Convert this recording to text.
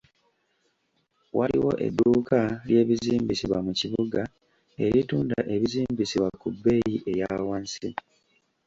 Waliwo edduuka ly'ebizimbisibwa mu kibuga eritunda ebizimbisibwa ku bbeeyi eyawansi.